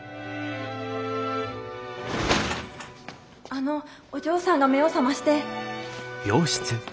あのお嬢さんが目を覚まして。